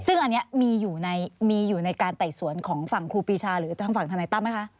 ซึ่งอันนี้มีอยู่ในการไต่สวนของฝั่งครูปีชาหรือทางฝั่งธนายตั้มไหมคะ